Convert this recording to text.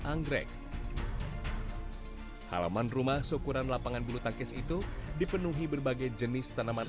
anggrek halaman rumah syukuran lapangan bulu tangkis itu dipenuhi berbagai jenis tanaman